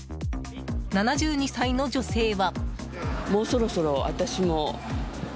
７２歳の女性は。